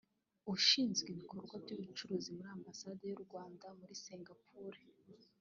Ushinzwe ibikorwa by’ubucuruzi muri Ambasade y’u Rwanda muri Singapore